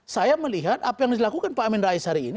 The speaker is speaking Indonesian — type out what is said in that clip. saya melihat apa yang dilakukan pak amin rais hari ini